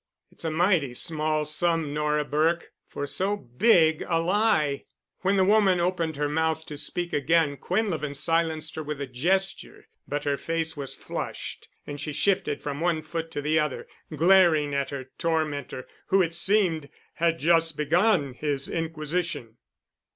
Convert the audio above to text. "It's a mighty small sum, Nora Burke, for so big a lie." When the woman opened her mouth to speak again Quinlevin silenced her with a gesture. But her face was flushed and she shifted from one foot to the other, glaring at her tormentor, who, it seemed, had just begun his inquisition.